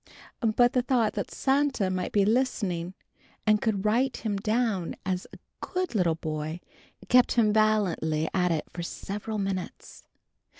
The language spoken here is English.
But the thought that Santa might be listening, and would write him down as a good little boy, kept him valiantly at it for several minutes.